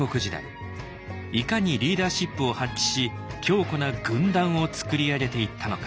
いかにリーダーシップを発揮し強固な軍団をつくり上げていったのか。